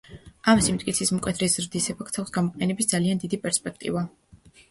ამ სიმტკიცის მკვეთრი ზრდის ეფექტს აქვს გამოყენების ძალიან დიდი პერსპექტივა.